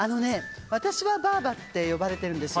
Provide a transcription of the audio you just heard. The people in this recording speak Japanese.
私はばあばって呼ばれてるんです。